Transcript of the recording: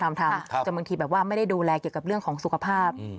แต่บางทีแบบว่าไม่ได้ดูแลเกี่ยวกับเรื่องของสุขภาพ